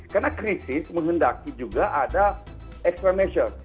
karena krisis menghendaki juga ada extra measure